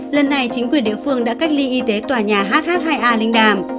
lần này chính quyền địa phương đã cách ly y tế tòa nhà hh hai a linh đàm